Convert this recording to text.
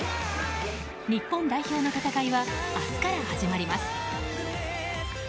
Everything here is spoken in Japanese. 日本代表の戦いは明日から始まります。